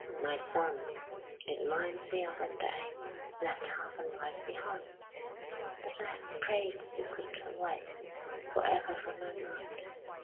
My son, it minds me of a day Left half a life behind, That I have prayed to put away For ever from my mind.